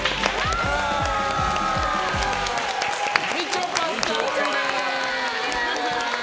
みちょぱさんです！